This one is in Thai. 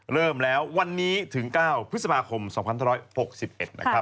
เริ่มแล้ววันนี้ถึง๙พฤษภาคม๒๕๖๑นะครับ